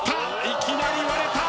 いきなり割れた。